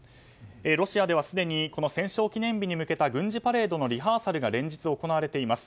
ロシアではすでに戦勝記念日に向けた軍事パレードのリハーサルが連日行われています。